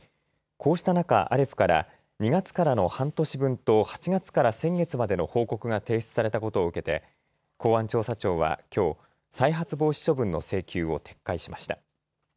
こうした中、アレフから２月からの半年分と８月から先月までの報告が提出されたことを受けて公安調査庁はきょう、再発防止処分の請求を撤回しました。